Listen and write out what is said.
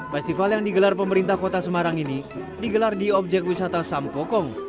festival yang digelar pemerintah kota semarang ini digelar di objek wisata sampokong